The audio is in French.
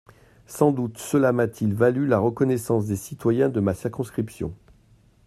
Sans doute cela m’a-t-il valu la reconnaissance des citoyens de ma circonscription.